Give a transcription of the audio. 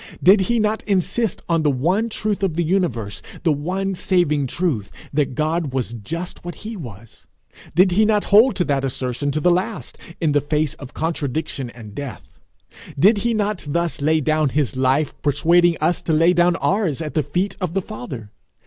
Did he not insist on the one truth of the universe, the one saving truth, that God was just what he was? Did he not hold to that assertion to the last, in the face of contradiction and death? Did he not thus lay down his life persuading us to lay down ours at the feet of the Father?